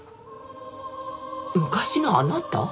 昔のあなた？